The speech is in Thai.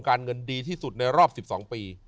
การเงินดีที่สุดในรอบ๑๒ปี